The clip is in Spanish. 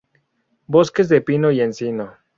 Bosques de pino y encino.